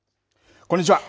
こんにちは。